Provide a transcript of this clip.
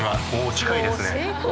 近いですね。